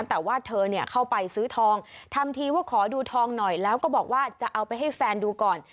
แต่ว่าเธอเนี่ยเข้าไปซื้อทองทำทีว่าขอดูทองหน่อยแล้วก็บอกว่าจะเอาไปให้แฟนดูก่อน